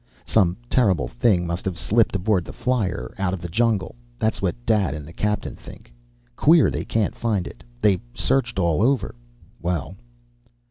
"Some terrible thing must have slipped aboard the flier, out of the jungle. That's what Dad and the captain think. Queer they can't find it. They've searched all over. Well...."